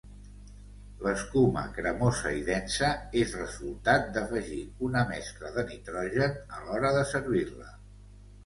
L'escuma cremosa i densa és resultat d'afegir una mescla de nitrogen a l'hora de servir-la.